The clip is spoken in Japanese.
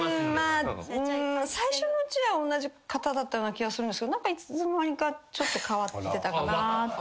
最初のうちはおんなじ方だったような気がするんですけど何かいつの間にか変わってたかなっていう。